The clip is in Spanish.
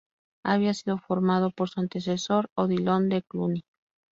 Había sido formado por su antecesor, Odilon de Cluny.